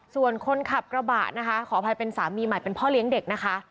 ส่วนคนขับกระบะนะคะขออภัยเป็นสามีใหม่เป็นพ่อเลี้ยงเด็กนะคะ